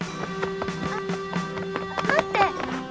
あっ待って！